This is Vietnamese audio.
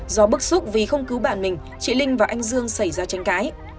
do bức xúc vì không cứu bản mình chị linh và anh dương xảy ra tranh cãi